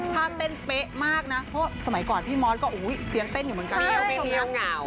ถ้าเต้นเป๊ะมากนะเพราะสมัยก่อนพี่มอสก็เสียงเต้นอยู่เหมือนกัน